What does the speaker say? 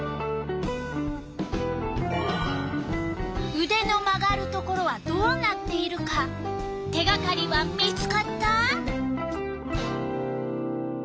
うでの曲がるところはどうなっているか手がかりは見つかった？